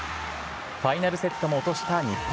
ファイナルセットも落とした日本。